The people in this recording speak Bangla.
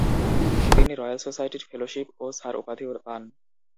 তিনি রয়াল সোসাইটির ফেলোশিপ ও স্যার উপাধি পান।